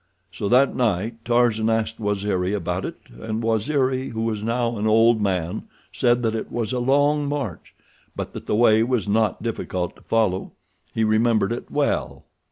So that night Tarzan asked Waziri about it, and Waziri, who was now an old man, said that it was a long march, but that the way was not difficult to follow. He remembered it well.